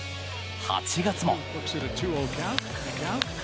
８月も。